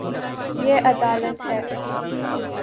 یے ادالت ہے